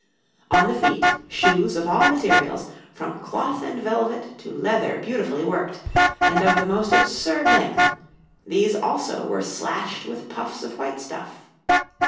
On the feet, shoes of all materials, from cloth and velvet to leather beautifully worked, and of the most absurd length; these also were slashed with puffs of white stuff.